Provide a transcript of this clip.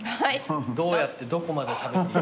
どうやってどこまで食べて。